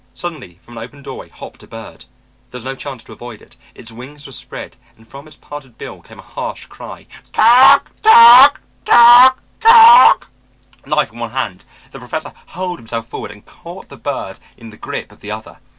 Suddenly from an open doorway hopped a bird. There was no chance to avoid it. Its wings were spread and from its parted bill came a harsh cry, "Toc toc, toc toc!" Knife in one hand, the Professor hurled himself forward and caught the bird in the grip of the other.